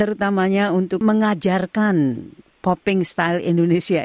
terutamanya untuk mengajarkan popping style indonesia